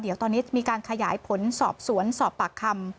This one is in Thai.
เดี๋ยวตอนนี้มีการขยายผลสอบสวนสอบปากคำ